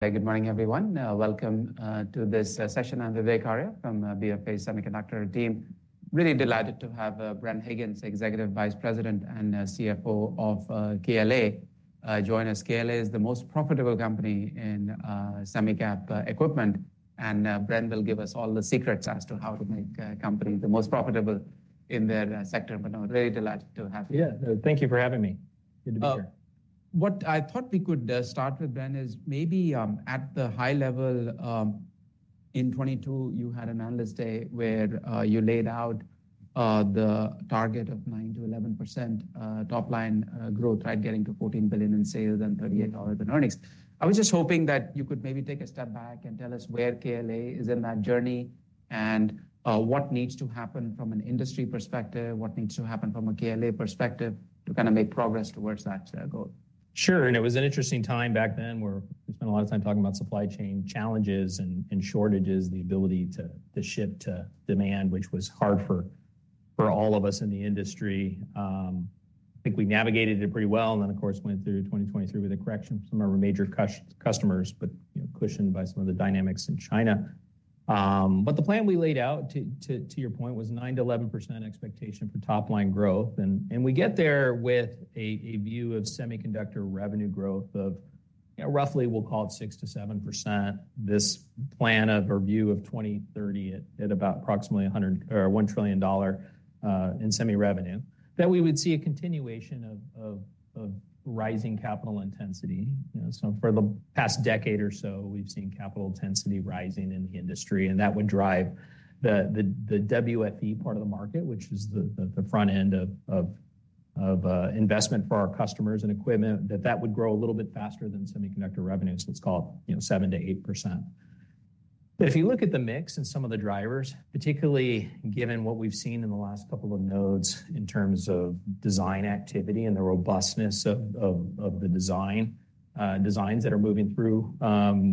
Good morning, everyone. Welcome to this session. I'm Vivek Arya from BofA Semiconductor team. Really delighted to have Bren Higgins, Executive Vice President and CFO of KLA, join us. KLA is the most profitable company in semi cap equipment, and Bren will give us all the secrets as to how to make a company the most profitable in their sector. But I'm very delighted to have you. Yeah. Thank you for having me. Good to be here. What I thought we could start with, Bren, is maybe at the high level, in 2022, you had an analyst day where you laid out the target of 9%-11% top line growth, right? Getting to $14 billion in sales and $38 in earnings. I was just hoping that you could maybe take a step back and tell us where KLA is in that journey and what needs to happen from an industry perspective, what needs to happen from a KLA perspective to kind of make progress towards that goal. Sure. And it was an interesting time back then, where we spent a lot of time talking about supply chain challenges and shortages, the ability to ship to demand, which was hard for all of us in the industry. I think we navigated it pretty well, and then, of course, went through 2023 with a correction from our major customers, but, you know, cushioned by some of the dynamics in China. But the plan we laid out to your point, was 9%-11% expectation for top-line growth, and we get there with a view of semiconductor revenue growth of, you know, roughly, we'll call it 6%-7%. This plan or view of 2030 at about approximately $1 trillion in semi revenue. That we would see a continuation of rising capital intensity. You know, so for the past decade or so, we've seen capital intensity rising in the industry, and that would drive the WFE part of the market, which is the front end of investment for our customers and equipment, that would grow a little bit faster than semiconductor revenue. So let's call it, you know, 7%-8%. But if you look at the mix and some of the drivers, particularly given what we've seen in the last couple of nodes in terms of design activity and the robustness of the designs that are moving through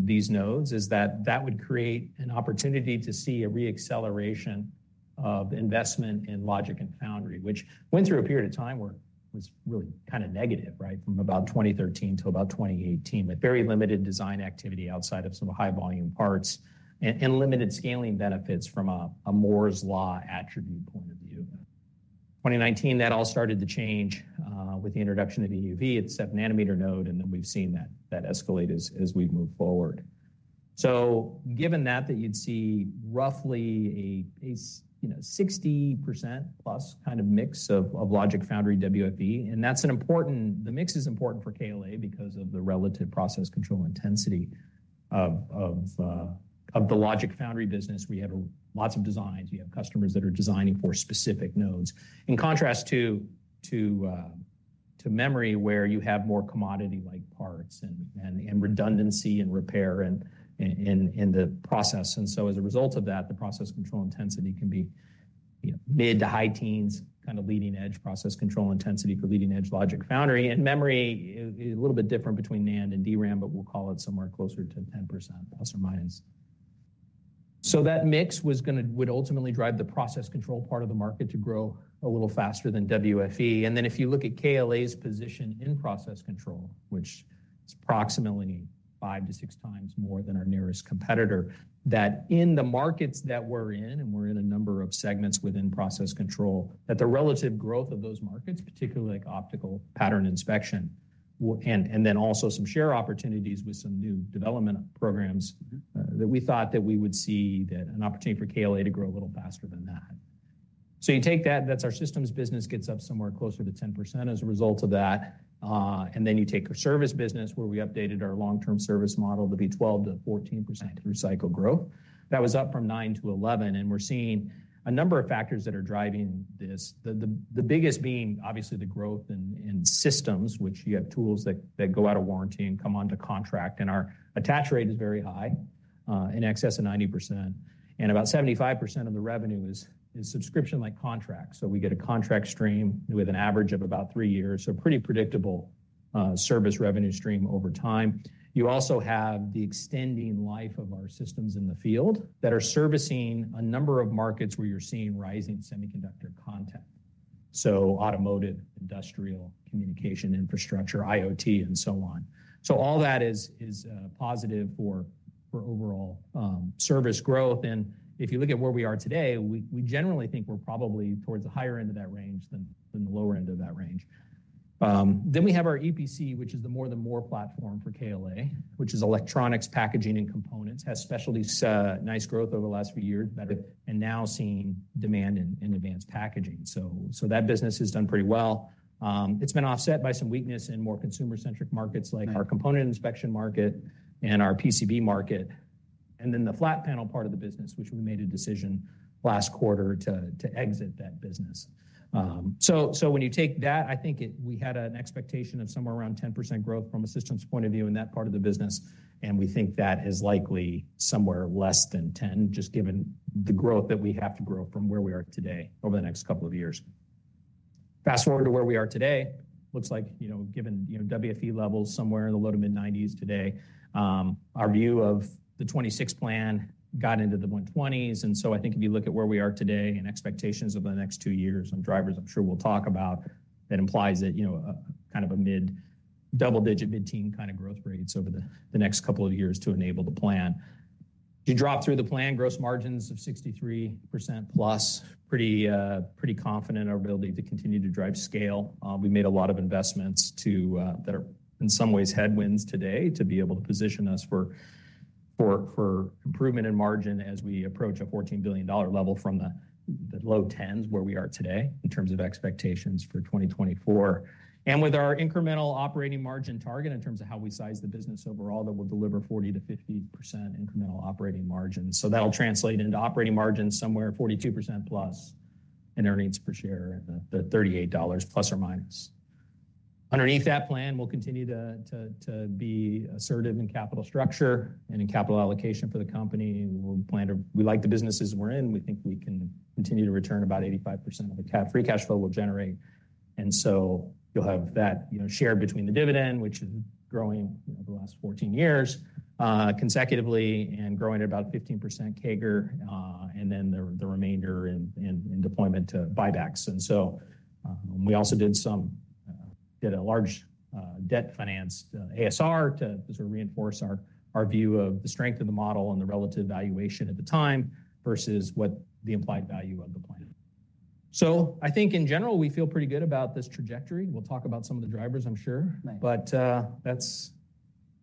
these nodes, that would create an opportunity to see a re-acceleration of investment in logic and foundry. Which went through a period of time where it was really kind of negative, right? From about 2013 till about 2018, with very limited design activity outside of some high-volume parts and limited scaling benefits from a Moore's Law attribute point of view. 2019, that all started to change with the introduction of EUV at 7 nm node, and then we've seen that escalate as we've moved forward. So given that you'd see roughly a you know, 60%+ kind of mix of logic foundry WFE, and that's an important the mix is important for KLA because of the relative process control intensity of the logic foundry business. We have lots of designs. We have customers that are designing for specific nodes. In contrast to memory, where you have more commodity-like parts and redundancy and repair and in the process. And so as a result of that, the process control intensity can be, you know, mid to high teens, kind of leading-edge process control intensity for leading-edge logic, foundry, and memory, a little bit different between NAND and DRAM, but we'll call it somewhere closer to 10%, + or -. So that mix would ultimately drive the process control part of the market to grow a little faster than WFE. And then if you look at KLA's position in process control, which is approximately 5-6 times more than our nearest competitor, that in the markets that we're in, and we're in a number of segments within process control, that the relative growth of those markets, particularly like optical pattern inspection, and then also some share opportunities with some new development programs, that we thought that we would see that an opportunity for KLA to grow a little faster than that. So you take that, that's our systems business gets up somewhere closer to 10% as a result of that. And then you take our service business, where we updated our long-term service model to be 12%-14% through cycle growth. That was up from 9%-11%, and we're seeing a number of factors that are driving this. The biggest being, obviously, the growth in systems, which you have tools that go out of warranty and come onto contract, and our attach rate is very high in excess of 90%, and about 75% of the revenue is subscription-like contracts. So we get a contract stream with an average of about three years, so pretty predictable service revenue stream over time. You also have the extending life of our systems in the field that are servicing a number of markets where you're seeing rising semiconductor content, so automotive, industrial, communication, infrastructure, IoT, and so on. So all that is positive for overall service growth. And if you look at where we are today, we generally think we're probably towards the higher end of that range than the lower end of that range. Then we have our EPC, which is the more-than-more platform for KLA, which is electronics, packaging, and components, has specialty, nice growth over the last few years, better, and now seeing demand in advanced packaging. So that business has done pretty well. It's been offset by some weakness in more consumer-centric markets- Right. like our component inspection market and our PCB market, and then the flat panel part of the business, which we made a decision last quarter to exit that business. So when you take that, I think we had an expectation of somewhere around 10% growth from a systems point of view in that part of the business, and we think that is likely somewhere less than 10%, just given the growth that we have to grow from where we are today over the next couple of years. Fast-forward to where we are today, looks like, you know, given, you know, WFE levels somewhere in the low to mid-90s today, our view of the 2026 plan got into the 120s. And so I think if you look at where we are today and expectations over the next two years and drivers, I'm sure we'll talk about, that implies that, you know, a kind of a mid-double-digit, mid-teen kind of growth rates over the next couple of years to enable the plan. You drop through the plan, gross margins of 63%+, pretty confident in our ability to continue to drive scale. We made a lot of investments to that are in some ways headwinds today to be able to position us for improvement in margin as we approach a $14 billion level from the low tens, where we are today, in terms of expectations for 2024. With our incremental operating margin target, in terms of how we size the business overall, that will deliver 40%-50% incremental operating margin. So that'll translate into operating margin somewhere 42%+ and earnings per share, the $38+ or -. Underneath that plan, we'll continue to be assertive in capital structure and in capital allocation for the company. We plan to We like the businesses we're in. We think we can continue to return about 85% of the free cash flow we'll generate. So you'll have that, you know, shared between the dividend, which is growing over the last 14 years consecutively and growing at about 15% CAGR, and then the remainder in deployment to buybacks. And so, we also did a large debt-financed ASR to sort of reinforce our view of the strength of the model and the relative valuation at the time versus what the implied value of the plan. So I think in general, we feel pretty good about this trajectory. We'll talk about some of the drivers, I'm sure. Nice. But, that's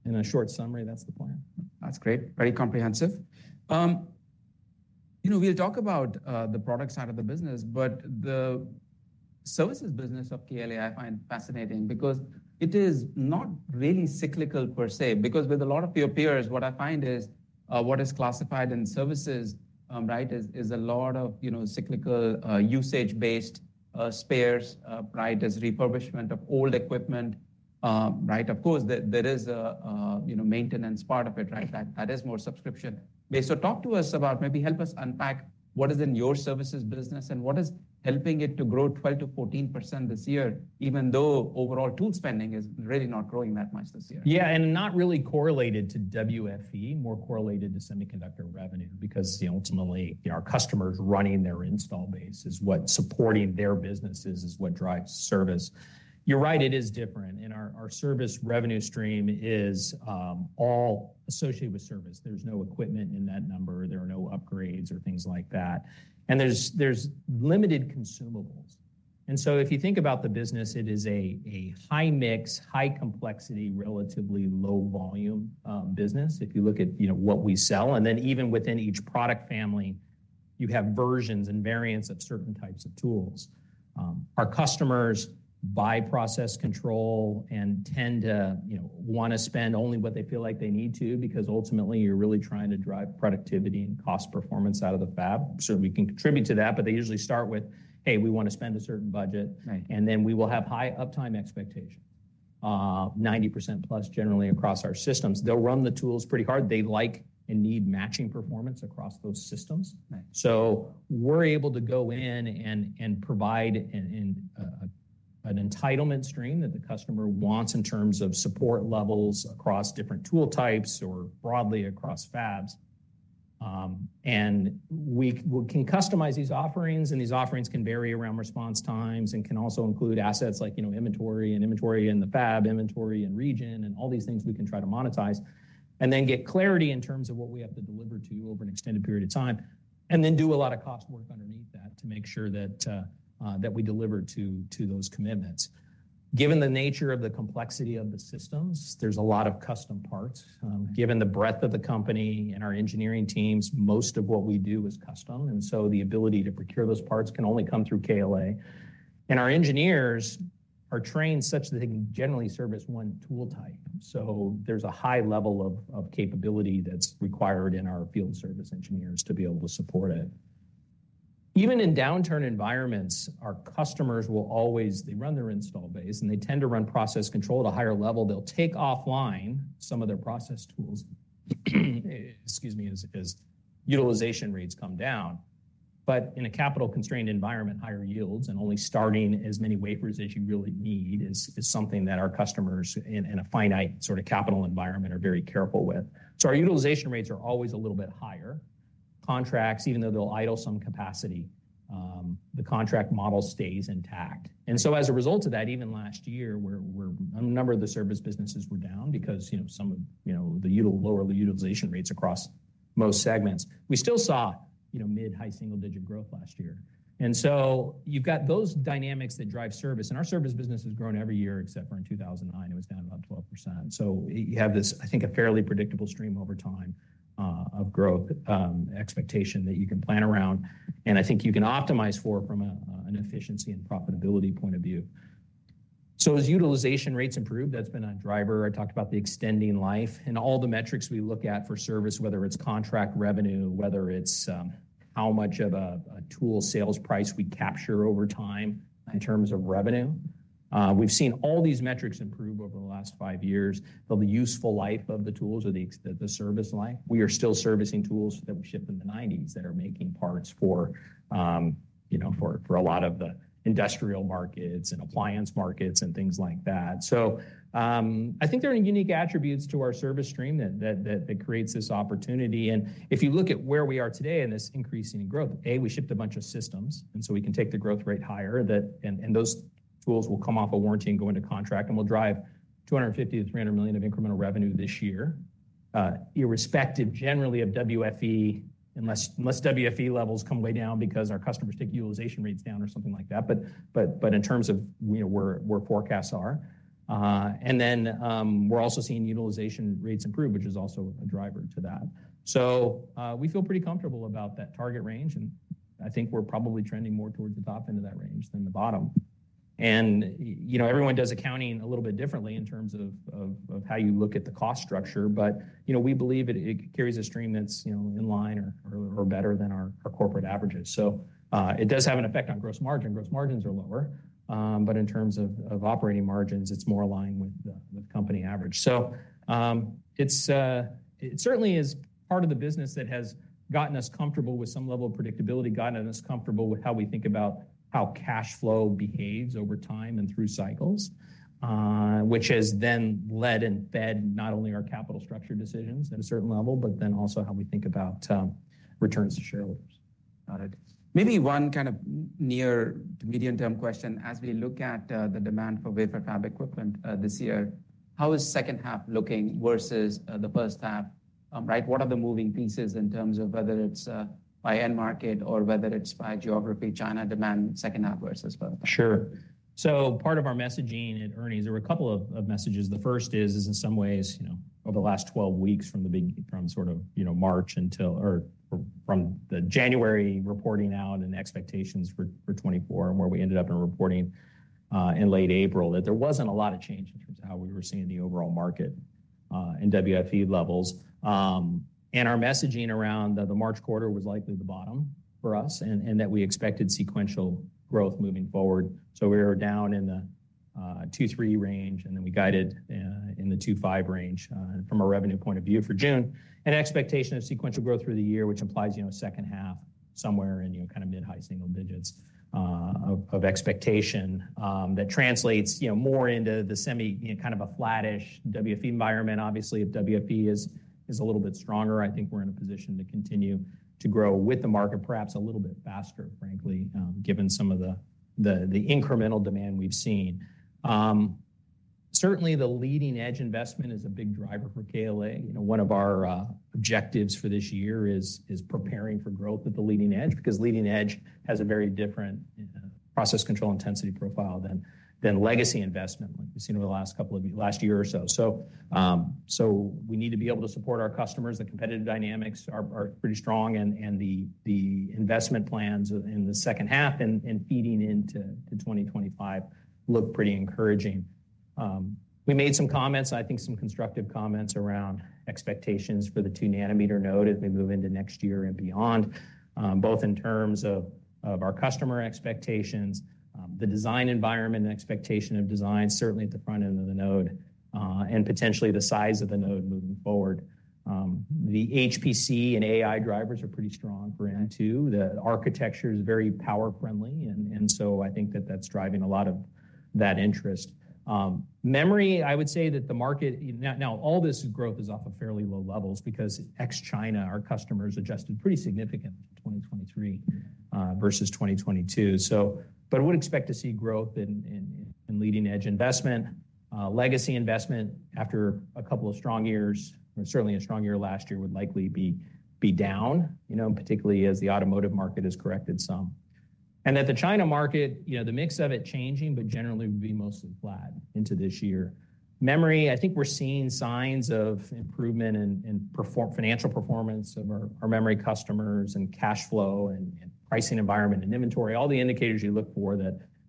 in a short summary, that's the plan. That's great. Very comprehensive. You know, we'll talk about the product side of the business, but the services business of KLA, I find fascinating because it is not really cyclical per se, because with a lot of your peers, what I find is what is classified in services, right, is a lot of, you know, cyclical usage-based spares, right, as refurbishment of old equipment, right? Of course, there is a, you know, maintenance part of it, right? Mm-hmm. That is more subscription-based. So talk to us about maybe help us unpack what is in your services business and what is helping it to grow 12%-14% this year, even though overall tool spending is really not growing that much this year. Yeah, and not really correlated to WFE, more correlated to semiconductor revenue, because ultimately, our customers running their install base is what supporting their businesses is what drives service. You're right, it is different, and our, our service revenue stream is all associated with service. There's no equipment in that number, there are no upgrades or things like that, and there's, there's limited consumables. And so if you think about the business, it is a, a high mix, high complexity, relatively low volume business, if you look at, you know, what we sell, and then even within each product family, you have versions and variants of certain types of tools. Our customers buy process control and tend to, you know, want to spend only what they feel like they need to, because ultimately, you're really trying to drive productivity and cost performance out of the fab. We can contribute to that, but they usually start with, "Hey, we want to spend a certain budget. Right. And then we will have high uptime expectations, 90%+, generally across our systems. They'll run the tools pretty hard. They like and need matching performance across those systems. Right. So we're able to go in and provide an entitlement stream that the customer wants in terms of support levels across different tool types or broadly across fabs. And we can customize these offerings, and these offerings can vary around response times and can also include assets like, you know, inventory and inventory in the fab, inventory and region, and all these things we can try to monetize, and then get clarity in terms of what we have to deliver to you over an extended period of time, and then do a lot of cost work underneath that to make sure that we deliver to those commitments. Given the nature of the complexity of the systems, there's a lot of custom parts. Given the breadth of the company and our engineering teams, most of what we do is custom, and so the ability to procure those parts can only come through KLA. And our engineers are trained such that they can generally serve as one tool type. So there's a high level of capability that's required in our field service engineers to be able to support it. Even in downturn environments, our customers will always, they run their install base, and they tend to run process control at a higher level. They'll take offline some of their process tools, excuse me, as utilization rates come down. But in a capital-constrained environment, higher yields and only starting as many wafers as you really need is something that our customers, in a finite sort of capital environment, are very careful with. So our utilization rates are always a little bit higher. Contracts, even though they'll idle some capacity, the contract model stays intact. And so as a result of that, even last year, where a number of the service businesses were down because, you know, some of, you know, the lower utilization rates across most segments, we still saw, you know, mid-high single-digit growth last year. And so you've got those dynamics that drive service, and our service business has grown every year, except for in 2009, it was down about 12%. So you have this, I think, a fairly predictable stream over time of growth expectation that you can plan around, and I think you can optimize for from a an efficiency and profitability point of view. So as utilization rates improve, that's been a driver. I talked about the extending life and all the metrics we look at for service, whether it's contract revenue, whether it's how much of a tool sales price we capture over time in terms of revenue. We've seen all these metrics improve over the last five years, but the useful life of the tools or the service life, we are still servicing tools that we shipped in the nineties that are making parts for you know, for a lot of the industrial markets and appliance markets and things like that. I think there are unique attributes to our service stream that creates this opportunity. And if you look at where we are today in this increasing growth, we shipped a bunch of systems, and so we can take the growth rate higher. That... And, and those-... Tools will come off of warranty and go into contract, and we'll drive $250 million-$300 million of incremental revenue this year, irrespective generally of WFE, unless WFE levels come way down because our customers take utilization rates down or something like that. But in terms of, you know, where forecasts are. And then, we're also seeing utilization rates improve, which is also a driver to that. So, we feel pretty comfortable about that target range, and I think we're probably trending more towards the top end of that range than the bottom. You know, everyone does accounting a little bit differently in terms of how you look at the cost structure, but you know, we believe it carries a stream that's you know, in line or better than our corporate averages. So, it does have an effect on gross margin. Gross margins are lower, but in terms of operating margins, it's more aligned with the company average. So, it certainly is part of the business that has gotten us comfortable with some level of predictability, gotten us comfortable with how we think about how cash flow behaves over time and through cycles, which has then led and fed not only our capital structure decisions at a certain level, but then also how we think about returns to shareholders. Got it. Maybe one kind of near to medium-term question, as we look at, the demand for wafer fab equipment, this year, how is second half looking versus, the first half, right? What are the moving pieces in terms of whether it's, by end market or whether it's by geography, China demand, second half versus first half? Sure. So part of our messaging at earnings, there were a couple of messages. The first is in some ways, you know, over the last 12 weeks, from sort of, you know, March until or from the January reporting out and expectations for 2024 and where we ended up in reporting in late April, that there wasn't a lot of change in terms of how we were seeing the overall market in WFE levels. And our messaging around the March quarter was likely the bottom for us, and that we expected sequential growth moving forward. So we were down in the $2.3 range, and then we guided in the $2.5 range from a revenue point of view for June. An expectation of sequential growth through the year, which implies, you know, a second half somewhere in, you know, kind of mid-high single digits of expectation. That translates, you know, more into the semi, you know, kind of a flattish WFE environment. Obviously, if WFE is a little bit stronger, I think we're in a position to continue to grow with the market, perhaps a little bit faster, frankly, given some of the incremental demand we've seen. Certainly, the leading-edge investment is a big driver for KLA. You know, one of our objectives for this year is preparing for growth at the leading edge, because leading edge has a very different process control intensity profile than legacy investment, like we've seen over the last couple of years, last year or so. So, we need to be able to support our customers. The competitive dynamics are pretty strong, and the investment plans in the second half and feeding into 2025 look pretty encouraging. We made some comments, I think some constructive comments around expectations for the 2-nanometer node as we move into next year and beyond, both in terms of our customer expectations, the design environment and expectation of design, certainly at the front end of the node, and potentially the size of the node moving forward. The HPC and AI drivers are pretty strong for N2. The architecture is very power-friendly, and so I think that that's driving a lot of that interest. Memory, I would say that the market, now all this growth is off of fairly low levels because ex-China, our customers adjusted pretty significantly in 2023, versus 2022. So, but I would expect to see growth in leading-edge investment. Legacy investment, after a couple of strong years, and certainly a strong year last year, would likely be down, you know, particularly as the automotive market has corrected some. And that the China market, you know, the mix of it changing, but generally would be mostly flat into this year. Memory, I think we're seeing signs of improvement in financial performance of our memory customers and cash flow and pricing environment and inventory. All the indicators you look for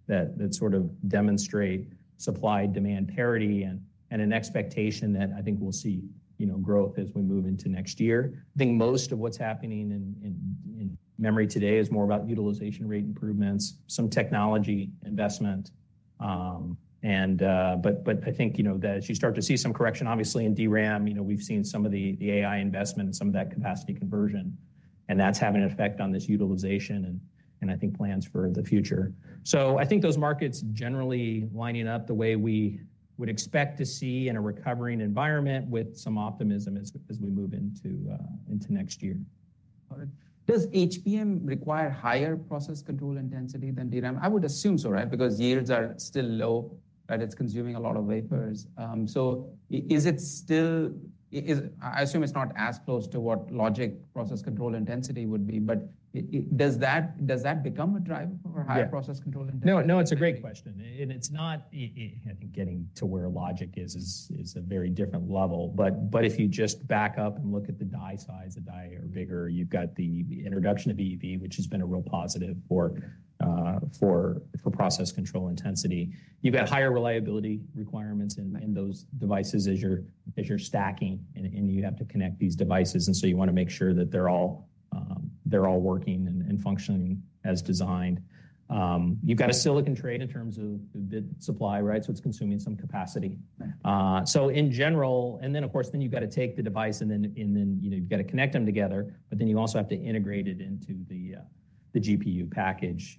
that sort of demonstrate supply-demand parity and an expectation that I think we'll see, you know, growth as we move into next year. I think most of what's happening in memory today is more about utilization rate improvements, some technology investment, and... But I think, you know, that as you start to see some correction, obviously in DRAM, you know, we've seen some of the AI investment and some of that capacity conversion, and that's having an effect on this utilization and I think plans for the future. So I think those markets generally lining up the way we would expect to see in a recovering environment with some optimism as we move into next year. Got it. Does HBM require higher process control intensity than DRAM? I would assume so, right? Because yields are still low, and it's consuming a lot of wafers. So, is it still? I assume it's not as close to what logic process control intensity would be, but does that become a driver for- Yeah... higher process control intensity? No, no, it's a great question, and it's not, I think getting to where logic is a very different level. But if you just back up and look at the die size, the die are bigger. You've got the introduction of EUV, which has been a real positive for process control intensity. You've got higher reliability requirements in- Right... in those devices as you're stacking, and you have to connect these devices, and so you want to make sure that they're all working and functioning as designed. You've got a silicon trade in terms of the supply, right? So it's consuming some capacity. Right. So in general, and then, of course, you've got to take the device and then you know, you've got to connect them together, but then you also have to integrate it into the GPU package,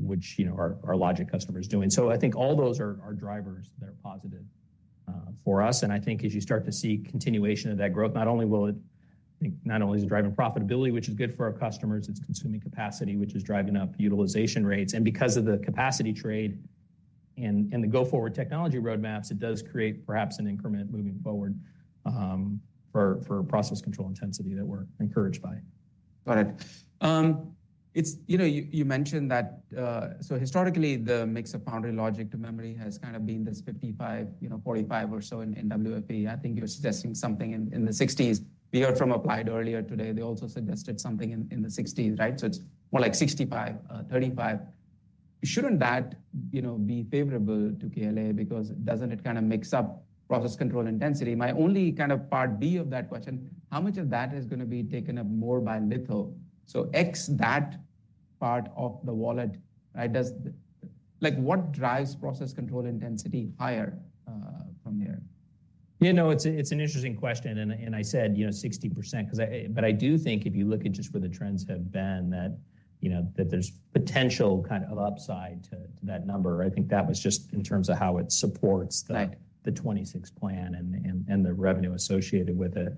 which, you know, our logic customer is doing. So I think all those are drivers that are positive for us, and I think as you start to see continuation of that growth, not only will it, not only is it driving profitability, which is good for our customers, it's consuming capacity, which is driving up utilization rates. And because of the capacity trade and the go-forward technology roadmaps, it does create perhaps an increment moving forward for process control intensity that we're encouraged by. Got it. It's you know, you, you mentioned that, so historically, the mix of foundry logic to memory has kind of been this 55, you know, 45 or so in WFE. I think you're suggesting something in the 60s. We heard from Applied earlier today, they also suggested something in the 60s, right? So it's more like 65-35. Shouldn't that, you know, be favorable to KLA because doesn't it kind of mix up process control intensity? My only kind of part B of that question, how much of that is going to be taken up more by litho? So except that part of the wallet, right, does like, what drives process control intensity higher from there? You know, it's, it's an interesting question, and, and I said, you know, 60%, because I—but I do think if you look at just where the trends have been, that, you know, that there's potential kind of upside to, to that number. I think that was just in terms of how it supports the- Right... the 2026 plan and the revenue associated with it.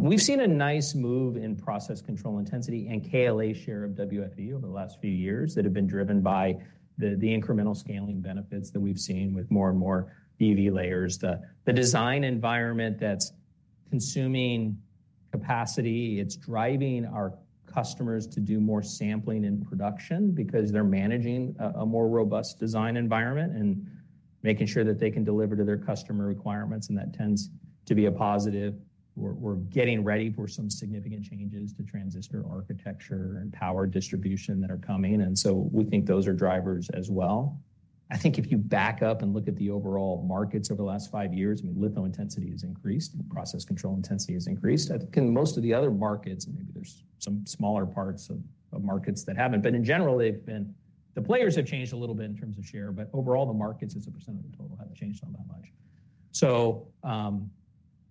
We've seen a nice move in process control intensity and KLA's share of WFE over the last few years that have been driven by the incremental scaling benefits that we've seen with more and more EUV layers. The design environment that's consuming capacity, it's driving our customers to do more sampling and production because they're managing a more robust design environment and making sure that they can deliver to their customer requirements, and that tends to be a positive. We're getting ready for some significant changes to transistor architecture and power distribution that are coming, and so we think those are drivers as well. I think if you back up and look at the overall markets over the last five years, I mean, litho intensity has increased, and process control intensity has increased. I think in most of the other markets, and maybe there's some smaller parts of markets that haven't, but in general, they've been, the players have changed a little bit in terms of share, but overall, the markets as a percent of the total haven't changed all that much. So,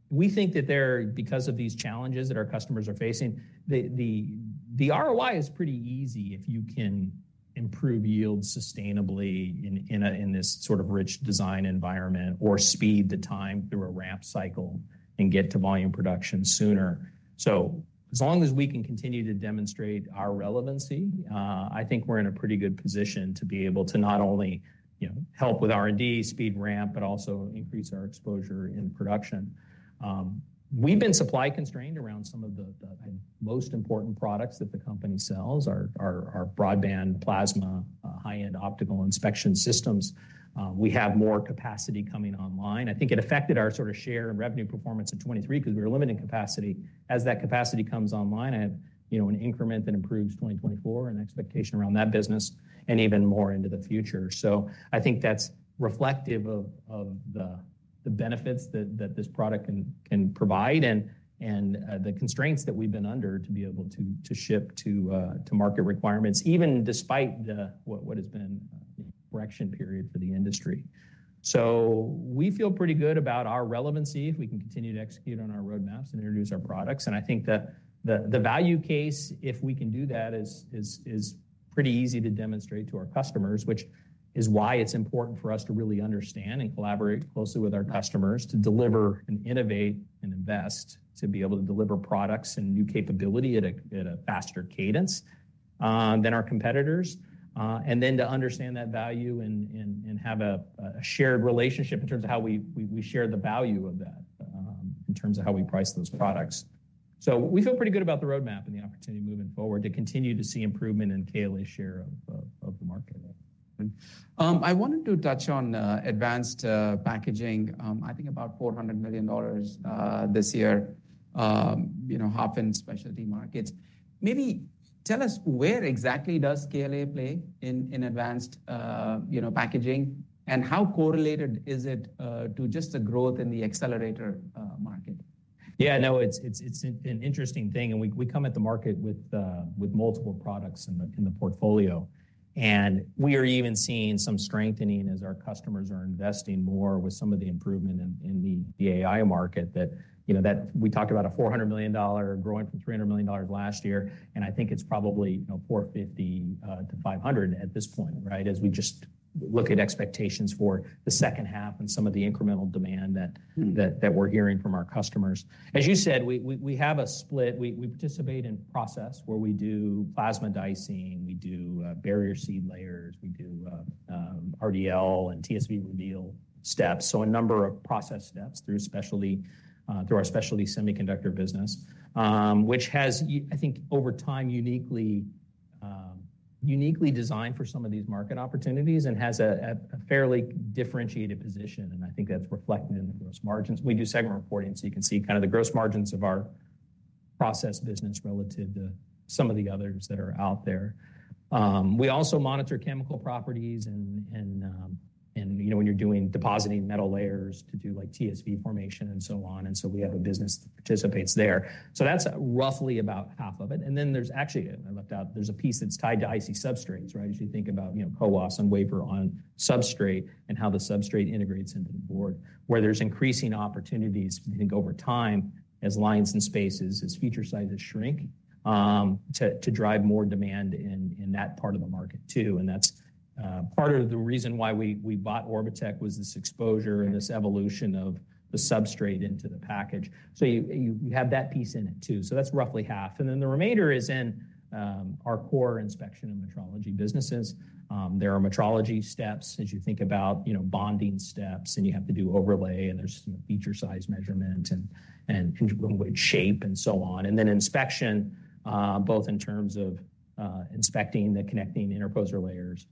we think that there, because of these challenges that our customers are facing, the ROI is pretty easy if you can improve yield sustainably in this sort of rich design environment or speed the time through a ramp cycle and get to volume production sooner. So as long as we can continue to demonstrate our relevancy, I think we're in a pretty good position to be able to not only, you know, help with R&D, speed ramp, but also increase our exposure in production. We've been supply constrained around some of the most important products that the company sells, our Broadband Plasma, high-end optical inspection systems. We have more capacity coming online. I think it affected our sort of share and revenue performance in 2023 because we were limiting capacity. As that capacity comes online, I have, you know, an increment that improves 2024 and expectation around that business and even more into the future. So I think that's reflective of the benefits that this product can provide and the constraints that we've been under to be able to ship to market requirements, even despite the what has been a correction period for the industry. So we feel pretty good about our relevancy, if we can continue to execute on our roadmaps and introduce our products. And I think the value case, if we can do that, is pretty easy to demonstrate to our customers, which is why it's important for us to really understand and collaborate closely with our customers to deliver and innovate and invest, to be able to deliver products and new capability at a faster cadence, and then to understand that value and have a shared relationship in terms of how we share the value of that, in terms of how we price those products. So we feel pretty good about the roadmap and the opportunity moving forward to continue to see improvement in KLA's share of the market. I wanted to touch on advanced packaging. I think about $400 million this year, you know, half in specialty markets. Maybe tell us where exactly does KLA play in advanced you know packaging? And how correlated is it to just the growth in the accelerator market? Yeah, no, it's an interesting thing, and we come at the market with multiple products in the portfolio. And we are even seeing some strengthening as our customers are investing more with some of the improvement in the AI market that, you know, that we talked about a $400 million growing from $300 million last year, and I think it's probably, you know, $450-$500 at this point, right? As we just look at expectations for the second half and some of the incremental demand that- Mm... that we're hearing from our customers. As you said, we have a split. We participate in process where we do plasma dicing, we do barrier seed layers, we do RDL and TSV reveal steps. So a number of process steps through specialty, through our specialty semiconductor business, which has, I think over time, uniquely designed for some of these market opportunities and has a fairly differentiated position, and I think that's reflected in the gross margins. We do segment reporting, so you can see kind of the gross margins of our process business relative to some of the others that are out there. We also monitor chemical properties and, you know, when you're doing depositing metal layers to do like TSV formation and so on, and so we have a business that participates there. So that's roughly about half of it. And then there's actually, I left out, there's a piece that's tied to IC substrates, right? As you think about, you know, CoWoS and Wafer on substrate and how the substrate integrates into the board, where there's increasing opportunities, I think, over time, as lines and spaces, as feature sizes shrink, to drive more demand in that part of the market, too. And that's part of the reason why we bought Orbotech was this exposure and this evolution of the substrate into the package. So you have that piece in it, too. So that's roughly half. And then the remainder is in our core inspection and metrology businesses. There are metrology steps, as you think about, you know, bonding steps, and you have to do overlay, and there's feature size measurement and shape, and so on. And then inspection, both in terms of inspecting the connecting interposer layers,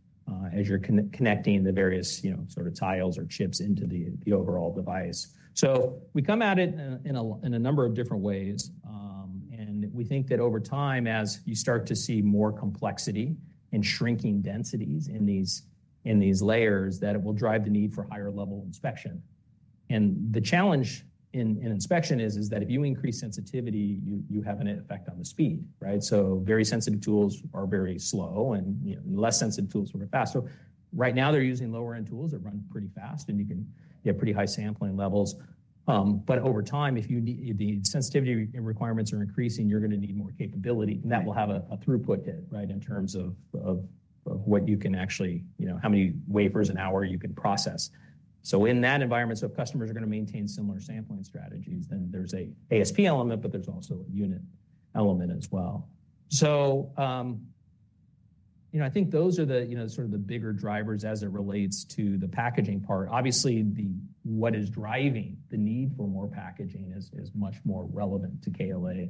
as you're connecting the various, you know, sort of tiles or chips into the overall device. So we come at it in a number of different ways, and we think that over time, as you start to see more complexity and shrinking densities in these layers, that it will drive the need for higher-level inspection. And the challenge in inspection is that if you increase sensitivity, you have an effect on the speed, right? So very sensitive tools are very slow, and, you know, less sensitive tools are fast. So right now they're using lower-end tools that run pretty fast, and you can get pretty high sampling levels. But over time, if you need-- the sensitivity requirements are increasing, you're going to need more capability, and that will have a throughput hit, right, in terms of what you can actually, you know, how many wafers an hour you can process. So in that environment, so if customers are going to maintain similar sampling strategies, then there's a ASP element, but there's also a unit element as well. So, you know, I think those are the, you know, sort of the bigger drivers as it relates to the packaging part. Obviously, the-- what is driving the need for more packaging is much more relevant to KLA.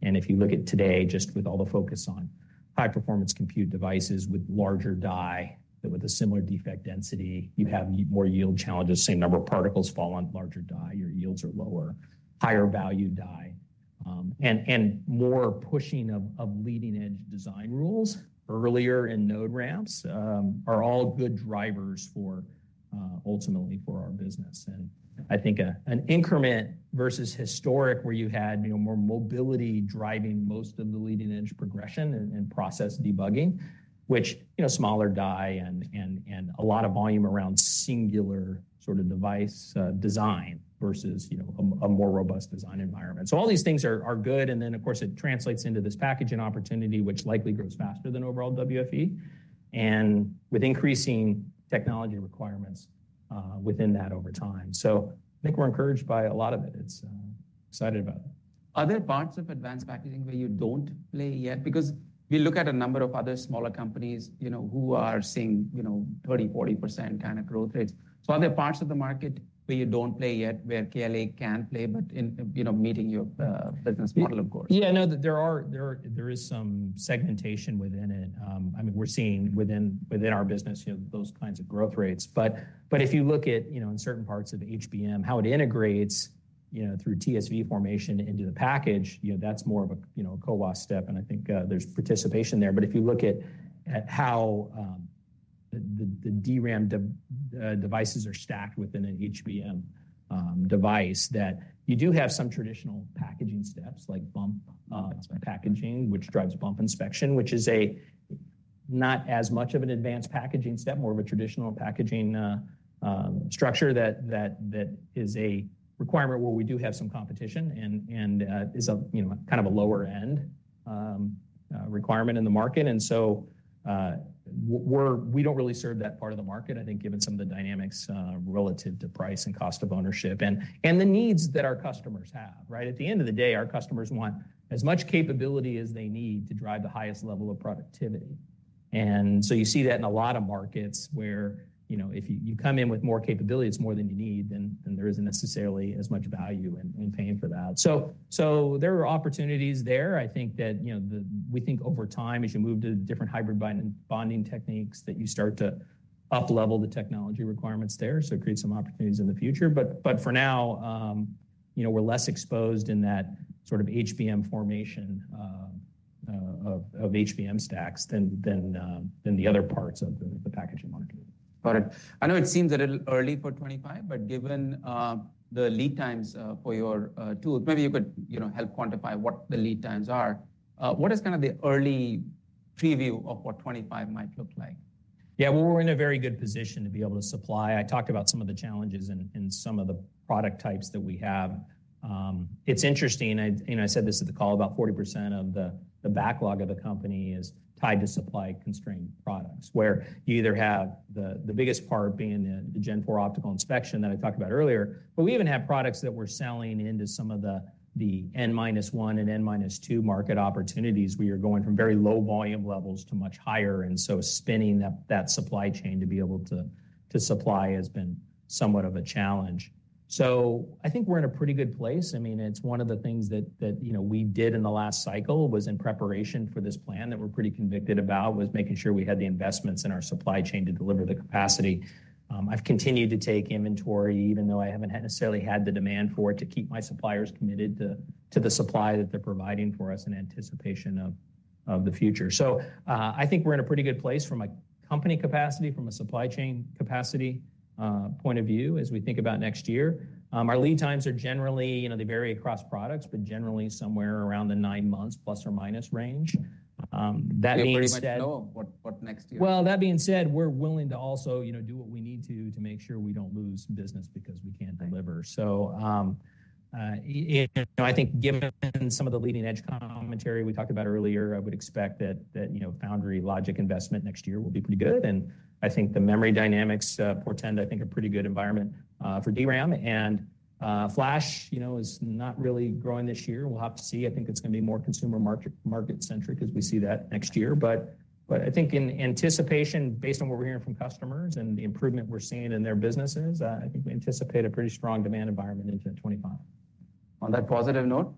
And if you look at today, just with all the focus on high-performance compute devices with larger die, with a similar defect density, you have more yield challenges, same number of particles fall on larger die, your yields are lower, higher value die, and more pushing of leading-edge design rules earlier in node ramps, are all good drivers for ultimately for our business. And I think an increment versus historic, where you had, you know, more mobility driving most of the leading-edge progression and process debugging, which, you know, smaller die and a lot of volume around singular sort of device design versus, you know, a more robust design environment. So all these things are good, and then, of course, it translates into this packaging opportunity, which likely grows faster than overall WFE, and with increasing technology requirements within that over time. So I think we're encouraged by a lot of it. It's excited about it. Are there parts of advanced packaging where you don't play yet? Because we look at a number of other smaller companies, you know, who are seeing, you know, 30%-40% kind of growth rates. So are there parts of the market where you don't play yet, where KLA can play, but in, you know, meeting your business model, of course? Yeah, no, there is some segmentation within it. I mean, we're seeing within our business, you know, those kinds of growth rates. But if you look at, you know, in certain parts of HBM, how it integrates, you know, through TSV formation into the package, you know, that's more of a, you know, a CoWoS step, and I think, there's participation there. But if you look at how the DRAM devices are stacked within an HBM device, that you do have some traditional packaging steps, like bump packaging, which drives bump inspection, which is not as much of an advanced packaging step, more of a traditional packaging structure that is a requirement where we do have some competition and is a, you know, kind of a lower-end requirement in the market. And so we're—we don't really serve that part of the market, I think, given some of the dynamics relative to price and cost of ownership and the needs that our customers have, right? At the end of the day, our customers want as much capability as they need to drive the highest level of productivity. You see that in a lot of markets where, you know, if you come in with more capabilities, more than you need, then there isn't necessarily as much value in paying for that. So there are opportunities there. I think that, you know, we think over time, as you move to different hybrid bonding techniques, that you start to uplevel the technology requirements there, so it creates some opportunities in the future. But for now, you know, we're less exposed in that sort of HBM formation of HBM stacks than the other parts of the packaging market. Got it. I know it seems a little early for 2025, but given the lead times for your tools, maybe you could, you know, help quantify what the lead times are. What is kind of the early preview of what 2025 might look like? Yeah, well, we're in a very good position to be able to supply. I talked about some of the challenges in some of the product types that we have. It's interesting, and I said this at the call, about 40% of the backlog of the company is tied to supply-constrained products, where you either have the biggest part being the Gen 4 optical inspection that I talked about earlier, but we even have products that we're selling into some of the N-1 and N-2 market opportunities. We are going from very low volume levels to much higher, and so spinning that supply chain to be able to supply has been somewhat of a challenge. So I think we're in a pretty good place. I mean, it's one of the things that, that, you know, we did in the last cycle was in preparation for this plan that we're pretty convicted about, was making sure we had the investments in our supply chain to deliver the capacity. I've continued to take inventory, even though I haven't necessarily had the demand for it, to keep my suppliers committed to, to the supply that they're providing for us in anticipation of, of the future. So, I think we're in a pretty good place from a company capacity, from a supply chain capacity, point of view, as we think about next year. Our lead times are generally, you know, they vary across products, but generally somewhere around the nine months + or - range. That being said- You pretty much know what next year- Well, that being said, we're willing to also, you know, do what we need to, to make sure we don't lose business because we can't deliver. So, I think given some of the leading-edge commentary we talked about earlier, I would expect that, you know, foundry logic investment next year will be pretty good. And I think the memory dynamics portend, I think, a pretty good environment for DRAM. And Flash, you know, is not really growing this year. We'll have to see. I think it's going to be more consumer market-centric as we see that next year. But I think in anticipation, based on what we're hearing from customers and the improvement we're seeing in their businesses, I think we anticipate a pretty strong demand environment into 2025. On that positive note?